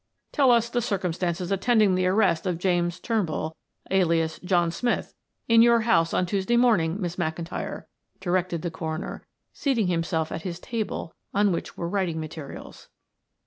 "Tell us the circumstances attending the arrest of James Turnbull, alias John Smith, in your house on Tuesday morning, Miss McIntyre," directed the coroner, seating himself at his table, on which were writing materials.